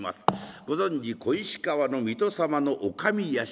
ご存じ小石川の水戸様のお上屋敷。